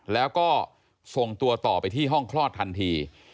แล้วก็ส่งตัวต่อไปที่ห้องคลอดทันที